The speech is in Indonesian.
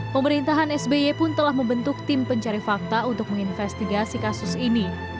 pemerintahan sby pun telah membentuk tim pencari fakta untuk menginvestigasi kasus ini